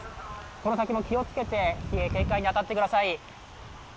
この先も気をつけて、警戒に当たってください。